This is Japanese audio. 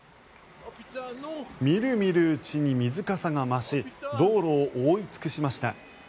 見る見るうちに水かさが増し道路を覆い尽くしました。